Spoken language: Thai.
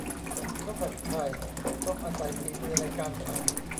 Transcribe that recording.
ข้าวผัดไข่ ต้องอาศัยฝีมือในการทำ